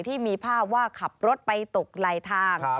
ที่มีภาพว่าขับรถไปตกไหลทาง